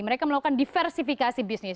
mereka melakukan diversifikasi bisnis